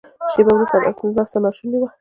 شیبه وروسته ناسته ناشونې شوه.